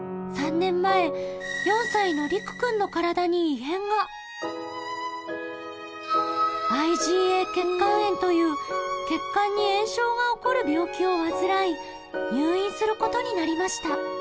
４歳のりくくんの体に異変がという血管に炎症が起こる病気を患い入院することになりました